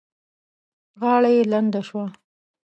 غاړه يې لنده شوه.